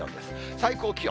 最高気温。